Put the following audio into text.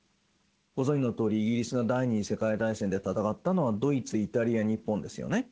ご存じのとおりイギリスが第２次世界大戦で戦ったのはドイツイタリア日本ですよね。